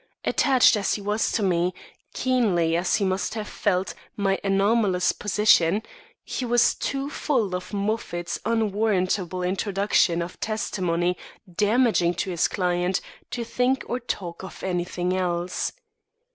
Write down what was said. Attached as he was to me, keenly as he must have felt my anomalous position, he was too full of Moffat's unwarrantable introduction of testimony damaging to his client, to think or talk of anything else.